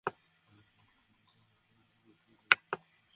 গ্রামবাসী গরুসহ ছয়জনকে হাতেনাতে ধরে গণপিটুনি দেন এবং ট্রাকটি ভাঙচুর করেন।